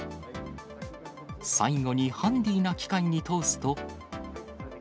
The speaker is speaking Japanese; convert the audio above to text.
最後にハンディーな機械に通すと。